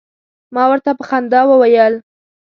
ما ورته په خندا وویل.